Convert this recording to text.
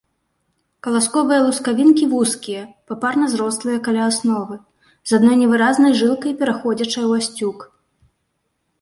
Каласковыя лускавінкі вузкія, папарна зрослыя каля асновы, з адной невыразнай жылкай, пераходзячай у асцюк.